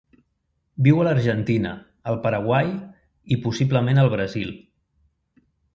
Viu a l'Argentina, el Paraguai i possiblement el Brasil.